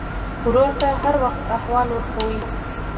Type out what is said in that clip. ورور ته هر وخت احوال ورکوې.